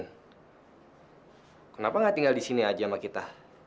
kevin kenapa gak tinggal di sini aja sama kita